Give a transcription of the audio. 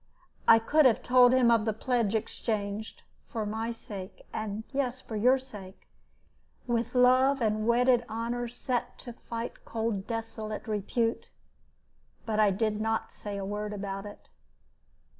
I could have told him of the pledge exchanged "For my sake," and, "Yes, for your sake," with love and wedded honor set to fight cold desolate repute but I did not say a word about it.